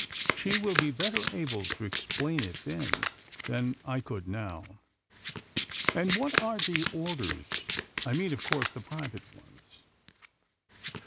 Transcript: She will be better able to explain it then than I could now." "And what are the orders I mean, of course, the private ones?